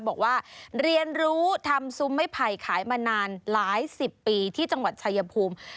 บอกว่าเรียนรู้ทำซุ้มไม้ไผ่ขายมานานหลายสิบปีที่จังหวัดชายภูมิ